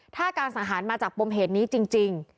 ถ้าการสังหารมาจากปมเหตุนี้จริง